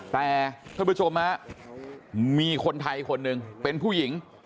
แต่ท่านผู้ชมฮะมีคนไทยคนหนึ่งเป็นผู้หญิง